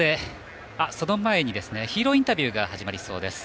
ヒーローインタビューが始まりそうです。